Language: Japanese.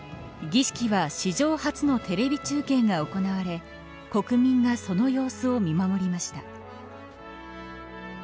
儀式は、史上初のテレビ中継が行われ国民がその様子を見守りました。